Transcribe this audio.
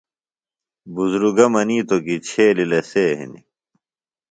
بُزرگہ منِیتوۡ کیۡ چھیلیۡ لسے ہنیۡ